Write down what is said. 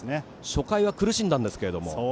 初回は苦しんだんですけれども。